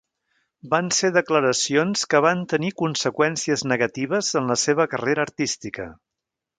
Van ser declaracions que van tenir conseqüències negatives en la seva carrera artística.